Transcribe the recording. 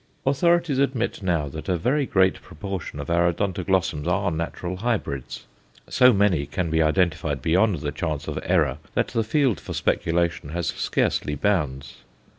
Authorities admit now that a very great proportion of our Odontoglossums are natural hybrids; so many can be identified beyond the chance of error that the field for speculation has scarcely bounds.